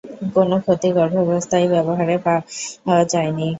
কোন ক্ষতি গর্ভাবস্থায় ব্যবহারে পাওয়া যায়নি।